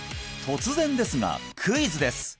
突然ですがクイズです